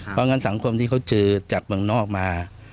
เพราะงั้นสังคมที่เขาเจอจากเมืองนอกมา